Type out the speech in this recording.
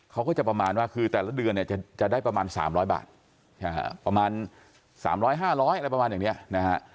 เขาก็จะประมาณว่าคือแต่ละเดือนเนี่ยจะได้ประมาณ๓๐๐บาทประมาณ๓๐๐๕๐๐อะไรประมาณอย่างนี้นะฮะ